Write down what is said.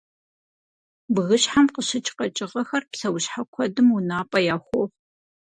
Бгыщхьэм къыщыкӏ къэкӏыгъэхэр псэущхьэ куэдым унапӏэ яхохъу.